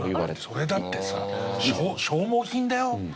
それだってさ消耗品だよ？